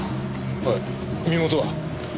おい身元は？